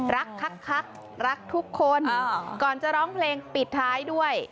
คักรักทุกคนก่อนจะร้องเพลงปิดท้ายด้วย